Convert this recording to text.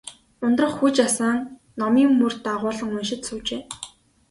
Ундрах хүж асаан, номын мөр дагуулан уншиж суужээ.